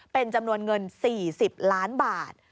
เป็นจำนวนเงิน๔๐ล้านบาท